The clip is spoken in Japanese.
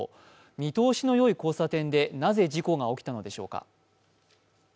見通しのよい交差点でなぜ事故が起きたのでしょうか。